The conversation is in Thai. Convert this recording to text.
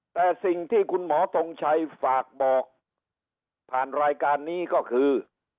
แต่สิ่งที่คุณหมอทงชัยฝากบอกผ่านรายการนี้ก็คือ